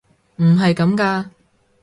唔係咁㗎！